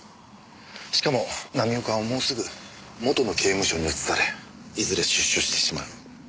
しかも浪岡はもうすぐ元の刑務所に移されいずれ出所してしまう。